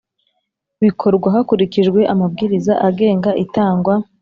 Bikorwa hakurikijwe amabwiriza agenga itangwa